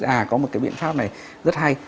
à có một cái biện pháp này rất hay